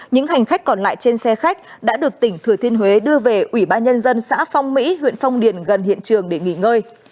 những hành khách còn lại trên xe khách đã được tỉnh thừa thiên huế đưa về ủy ban nhân dân xã phong mỹ huyện phong điền gần hiện trường để nghỉ ngơi